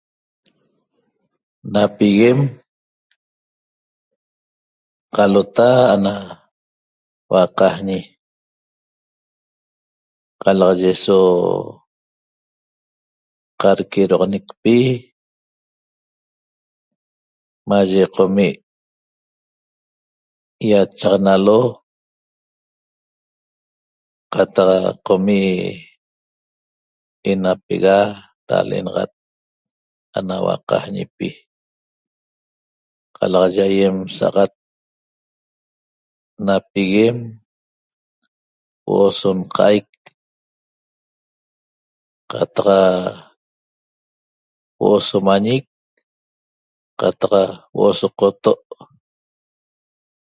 Na piguem qalota ana huaqajñi qalaxaye so qadquedoxonecpi maye qomi' ýachaxanalo qataq qomi' enapega da l'enaxat ana huaqajñipi qalaxaye aýem sa'axat na piguem huo'o so nqa'aic qataq huo'o so mañic qataq huo'o so qoto'